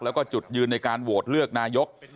แล้วก็จุดยืนในการโหวตเลือกนายก